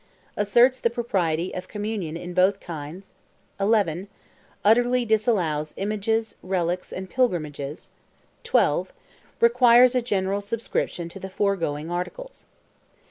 Asserts the Propriety of Communion in Both Kinds; 11. Utterly disallows Images, Relics and Pilgrimages; 12. Requires a General Subscription to the foregoing Articles.